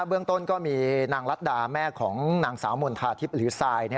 เรื่องต้นก็มีนางรัฐดาแม่ของนางสาวมณฑาทิพย์หรือทราย